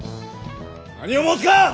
何を申すか！